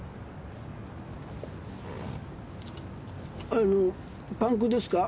あのパンクですか？